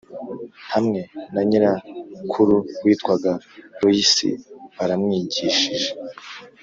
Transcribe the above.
Hamwe na nyirakuru witwaga Loyisi baramwigishije